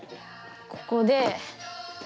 ここで。